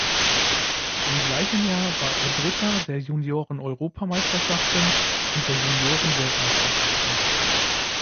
Im gleichen Jahr war er Dritter der Junioreneuropameisterschaften und der Juniorenweltmeisterschaften.